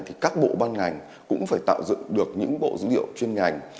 thì các bộ ban ngành cũng phải tạo dựng được những bộ dữ liệu chuyên ngành